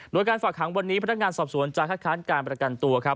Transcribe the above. โดยการฝากหางวันนี้พนักงานสอบสวนจะคัดค้านการประกันตัวครับ